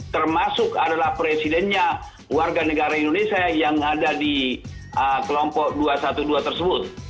termasuk adalah presidennya warga negara indonesia yang ada di kelompok dua ratus dua belas tersebut